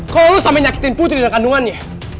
kalo lu sampe nyakitin putri dan kandungannya